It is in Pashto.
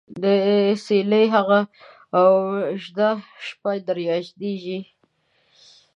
دڅيلې هغه او ژده شپه در ياديژي ?